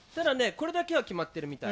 これだけは決まってるみたい。